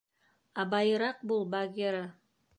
— Абайыраҡ бул, Багира!